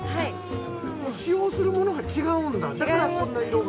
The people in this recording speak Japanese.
使用するものが違うんだだからこんな色が。